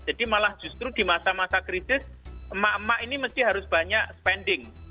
jadi malah justru di masa masa krisis emak emak ini mesti harus banyak spending